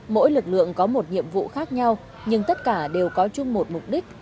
mỗi lực lượng có một nhiệm vụ khác nhau nhưng tất cả đều có chung một mục đích